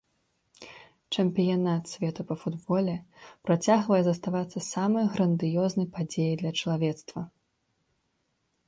Чэмпіянат свету па футболе працягвае заставацца самай грандыёзнай падзеяй для чалавецтва.